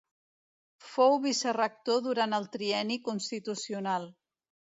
Fou vicerector durant el Trienni Constitucional.